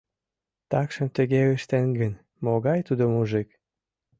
Такшым тыге ыштен гын, могай тудо мужик.